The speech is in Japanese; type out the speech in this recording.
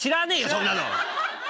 そんなの。